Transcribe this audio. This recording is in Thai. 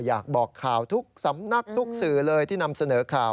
อยากบอกข่าวทุกสำนักทุกสื่อเลยที่นำเสนอข่าว